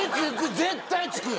絶対つくよ。